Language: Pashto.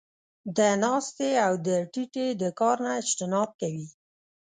د ناستې او د ټيټې د کار نۀ اجتناب کوي -